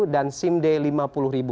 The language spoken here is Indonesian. dan sim d rp lima puluh